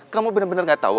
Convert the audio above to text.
kamu bener bener gak tau